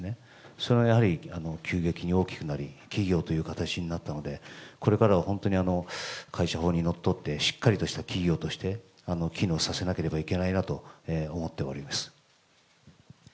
それがやはり急激に大きくなり、企業という形になったので、これからは本当に会社法にのっとって、しっかりとした企業として、機能させなければいけないなと思っております。